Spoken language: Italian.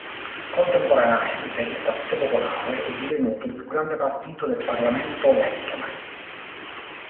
Contemporaneamente, il Partito Popolare è divenuto il più grande partito del Parlamento lettone.